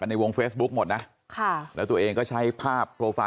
น้าสาวของน้าผู้ต้องหาเป็นยังไงไปดูนะครับ